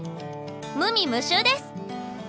無味無臭です。